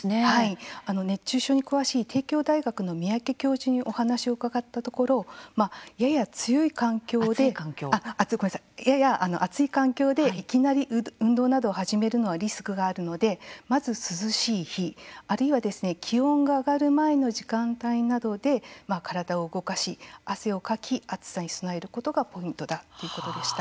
熱中症に詳しい帝京大学の三宅教授にお話を伺ったところやや暑い環境でいきなり運動などを始めるのはリスクがあるのでまず、涼しい日、あるいはですね気温が上がる前の時間帯などで体を動かし、汗をかき暑さに備えることがポイントだということでした。